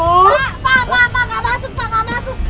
pak pak pak pak gak masuk pak gak masuk